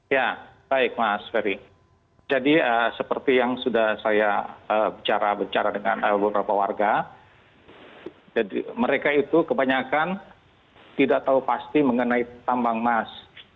ya baik mas ferry jadi seperti yang sudah saya bicara bicara dengan beberapa warga mereka itu kebanyakan tidak tahu pasti mengenai tambang mas